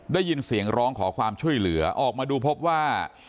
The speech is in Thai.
ได้ยินเสียงร้องขอความช่วยเหลือออกมาดูพบว่า